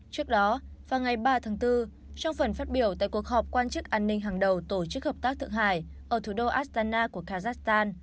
trước đó vào ngày ba tháng bốn trong phần phát biểu tại cuộc họp quan chức an ninh hàng đầu tổ chức hợp tác thượng hải ở thủ đô astana của kazakhstan